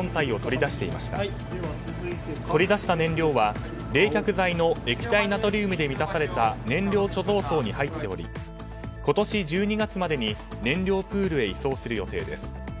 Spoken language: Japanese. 取り出した燃料は冷却材の液体ナトリウムで満たされた燃料貯蔵槽に入っており今年１２月までに燃料プールへ移送する予定です。